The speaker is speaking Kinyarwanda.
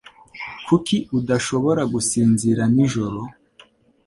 Kuki udashobora gusinzira nijoro?